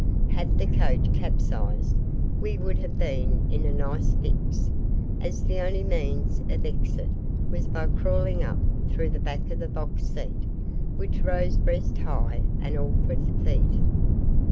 Had the coach capsized we would have been in a nice fix, as the only means of exit was by crawling up through the back of the box seat, which rose breast high an awkward feat.